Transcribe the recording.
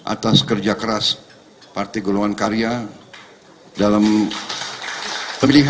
atas kerja keras partai golongan karya dalam pemilihan